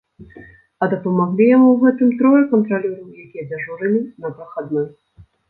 А дапамаглі яму ў гэтым трое кантралёраў, якія дзяжурылі на прахадной.